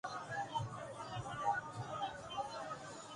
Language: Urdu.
بجٹ کا بڑا حصہ قرضوں کی ادائیگی کی نذر